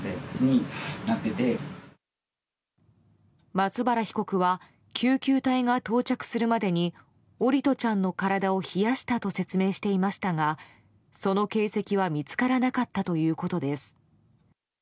松原被告は救急隊が到着するまでに桜利斗ちゃんの体を冷やしたと説明していましたがその形跡は見つからなかったということです。